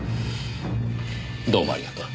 どうもありがとう。